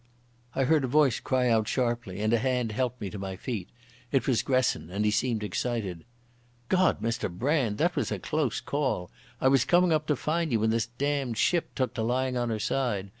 I heard a voice cry out sharply, and a hand helped me to my feet. It was Gresson, and he seemed excited. "God, Mr Brand, that was a close call! I was coming up to find you, when this damned ship took to lying on her side.